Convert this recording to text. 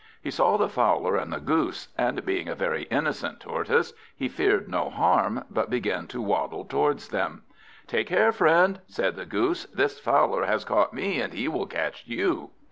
He saw the Fowler and the Goose, and being a very innocent Tortoise, he feared no harm, but began to waddle towards them. "Take care, friend!" said the Goose. "This Fowler has caught me, and he will catch you!"